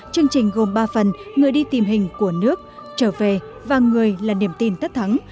chương trình gồm ba phần người đi tìm hình của nước trở về và người là niềm tin tất thắng